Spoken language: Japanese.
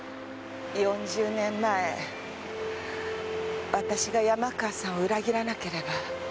４０年前私が山川さんを裏切らなければ。